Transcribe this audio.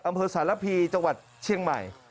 อำเภอสาระพีจเชียงใหม่